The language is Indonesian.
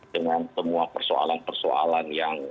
dengan semua persoalan persoalan yang